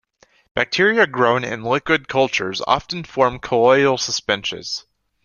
Bacteria grown in liquid cultures often form colloidal suspensions.